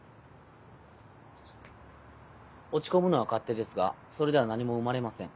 落ち込むのは勝手ですがそれでは何も生まれません。